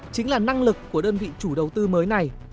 chính là năng lực của đơn vị chủ đầu tư mới này